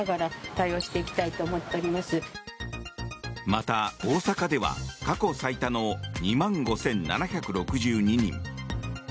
また、大阪では過去最多の２万５７６２人。